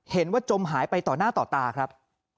เห็นว่าจมหายไปต่อหน้าต่อตาครับ